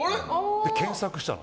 検索したの。